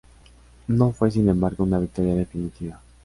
No fue sin embargo una victoria definitiva.